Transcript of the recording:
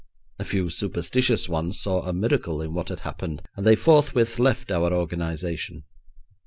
A few superstitious ones saw a miracle in what had happened, and they forthwith left our organisation.